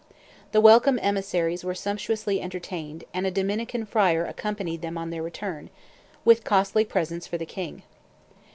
The welcome emissaries were sumptuously entertained, and a Dominican friar accompanied them on their return, with costly presents for the king.